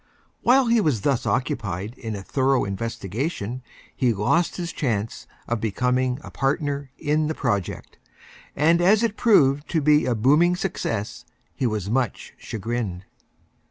While he was thus Occupied in a thorough Investigation he Lost his Chance of becoming a Partner in the Project, and as It proved to be a Booming Success, he was Much Chagrined.